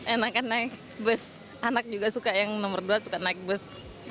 enak kan naik bus anak juga suka yang nomor dua suka naik bus